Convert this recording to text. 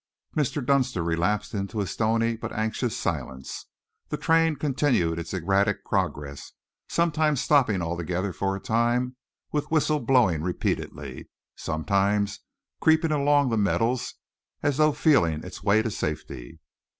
Mr. Dunster relapsed into stony but anxious silence. The train continued its erratic progress, sometimes stopping altogether for a time, with whistle blowing repeatedly; sometimes creeping along the metals as though feeling its way to safety.